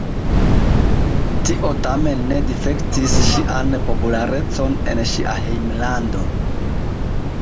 Tio tamen ne difektis ŝian popularecon en ŝia hejmlando.